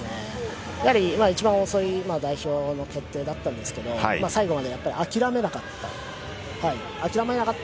やはり一番遅い代表の決定だったんですけど、最後まで諦めなかった。